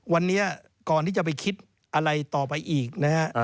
วันนี้ก่อนที่จะไปคิดอะไรต่อไปอีกนะฮะ